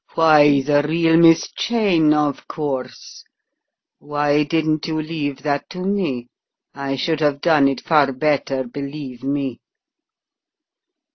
"Why, the real Miss Cheyne, of course. Why didn't you leave that to me? I should have done it far better, believe me."